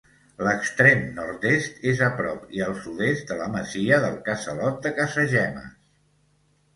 L'extrem nord-est és a prop i al sud-est de la masia del Casalot de Casagemes.